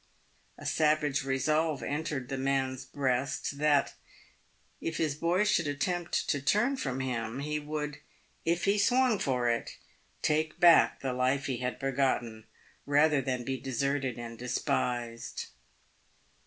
A savage resolve entered the man's breast, that, if his boy should attempt to turn from him, he would, " if he swung for it," take back the life he had begotten, rather than be deserted and despised.